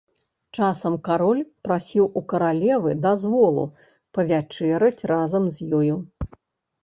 Часам кароль прасіў у каралевы дазволу павячэраць разам з ёю.